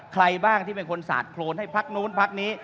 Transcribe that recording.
ใครบ้างที่เป็นคนสาดโครนให้พักนู้นพักนี้